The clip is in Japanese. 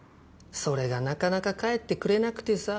それがなかなか帰ってくれなくてさ。